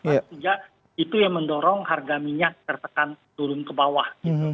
sehingga itu yang mendorong harga minyak tertekan turun ke bawah